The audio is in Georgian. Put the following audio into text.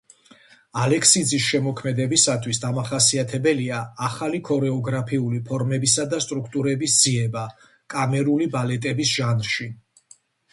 ალექსიძის შემოქმედებისათვის დამახასიათებელია ახალი ქორეოგრაფიული ფორმებისა და სტრუქტურების ძიება კამერული ბალეტების ჟანრში.